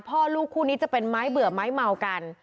พ่อลูกคู่นี้จะเป็นไม้เบื่อไม้เมากัน